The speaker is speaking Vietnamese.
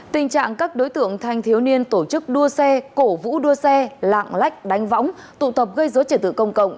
tình trạng các đối tượng thanh thiếu niên tổ chức đua xe cổ vũ đua xe lạng lách đánh võng tụ tập gây dối trật tự công cộng